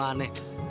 beneran ini kan nipu